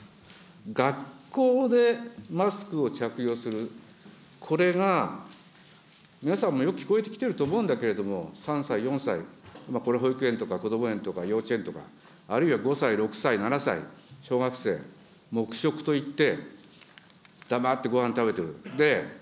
学校でマスクを着用する、これが皆さんもよく聞こえてきてると思うんだけれども、３歳、４歳、これ、保育園とかこども園とか幼稚園とか、あるいは５歳、６歳、７歳、小学生、黙食といって、黙ってごはん食べてる。